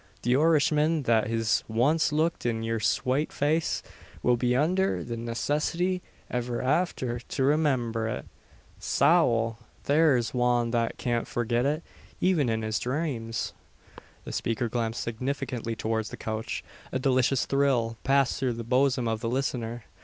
The Oirishman that hiz wance looked in yer swate face will be undher the necissity iver afther to remimber it. Sowl! thare's wan that cyant forgit it, even in his dhrames!" The speaker glanced significantly towards the couch. A delicious thrill passed through the bosom of the listener.